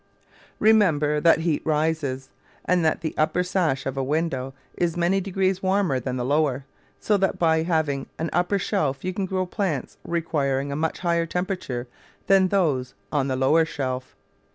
Remember that heat rises, and that the upper sash of a window is many degrees warmer than the lower, so that by having an upper shelf you can grow plants requiring a much higher temperature than those on the lower shelf.